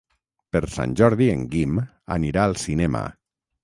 Per Sant Jordi en Guim anirà al cinema.